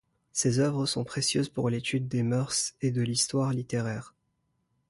Ses œuvres sont précieuses pour l’étude des mœurs et de l’histoire littéraire.